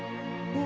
うん？